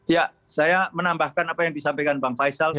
ya saya menambahkan apa yang disampaikan bang faisal